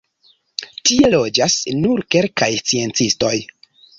Tie loĝas nur kelkaj sciencistoj.